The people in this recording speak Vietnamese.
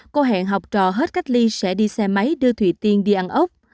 cô hẹn học trò hết cách ly sẽ đi xe máy đưa thủy tiên đi ăn ốc